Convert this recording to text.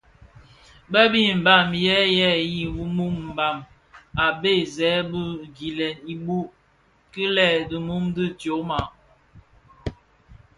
Bë bi Mbam yèn yè yi muu mbam a begsè dhi gilèn ibouk ki lè di mum dhi tyoma.